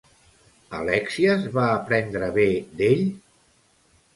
Alèxies va aprendre bé d'ell?